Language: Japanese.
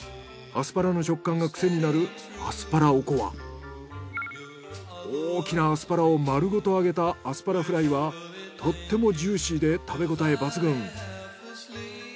アスパラの食感がクセになる大きなアスパラをまるごと揚げたアスパラフライはとってもジューシーで食べごたえ抜群。